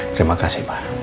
terima kasih ma'am